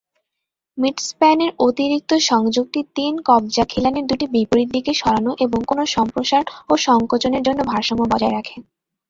মিড-স্প্যানের অতিরিক্ত সংযোগটি তিন-কবজা খিলানের দুটি বিপরীত দিকে সরানো এবং কোনো সম্প্রসারণ ও সংকোচন জন্য ভারসাম্য বজায় রাখে।